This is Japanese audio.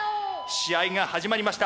試合が始まりました。